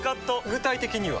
具体的には？